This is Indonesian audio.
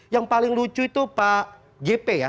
yang paling lucu itu pak g p ya